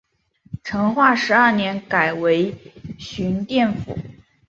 成化十二年改为寻甸府。